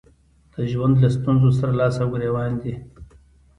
د ژوند له ستونزو سره لاس او ګرېوان دي.